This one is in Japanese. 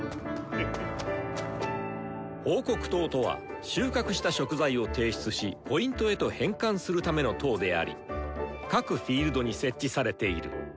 「報告筒」とは収穫した食材を提出しＰへと変換するための塔であり各フィールドに設置されている。